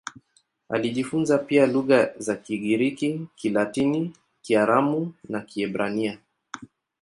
Alijifunza pia lugha za Kigiriki, Kilatini, Kiaramu na Kiebrania.